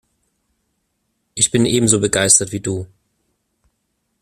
Ich bin ebenso begeistert wie du.